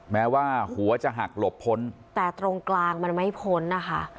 แม้ว่าหัวจะหักหลบพ้นแต่ตรงกลางมันไม่พ้นนะคะ